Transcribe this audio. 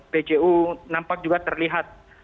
pju nampak juga terlihat